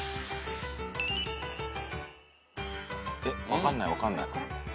分かんない分かんない。